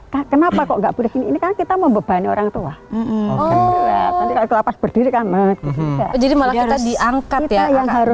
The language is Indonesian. kenapa kok nggak boleh ini kan kita membebani orangtua berdiri jadi malah diangkat ya harus